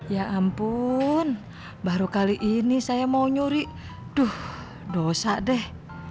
ya ampun baru kali ini saya mau nyuri duh dosa deh